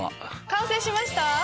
完成しました？